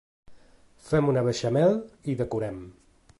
Fem una beixamel i decorem.